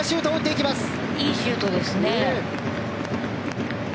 いいシュートですね。